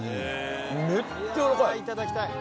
めっちゃやわらかい。